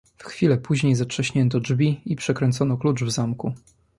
"W chwile później zatrzaśnięto drzwi i przekręcono klucz w zamku."